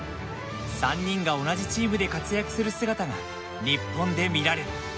３人が同じチームで活躍する姿が日本で見られる。